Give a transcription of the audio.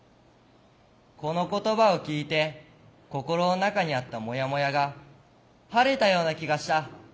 この言葉を聞いて心の中にあったもやもやが晴れたような気がした。